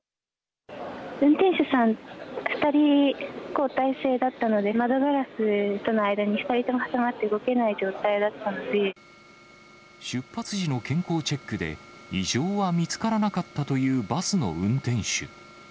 運転手さん２人交代制だったので、窓ガラスとの間に２人とも挟まって、出発時の健康チェックで、異常は見つからなかったというバスの運転手。